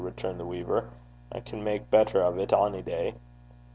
returned the weaver. 'I can mak' better o' 't ony day.'